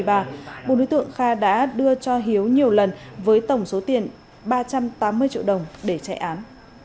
bốn đối tượng kha đã đưa cho hiếu nhiều lần với tổng số tiền ba trăm tám mươi triệu đồng để chạy án